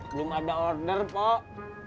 belum ada order pok